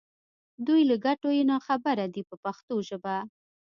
دوی له ګټو یې نا خبره دي په پښتو ژبه.